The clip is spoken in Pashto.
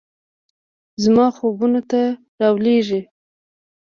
زما خوبونو ته راولیږئ